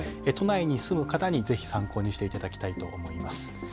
都内に住む方にぜひ参考にしていただきたいと思います。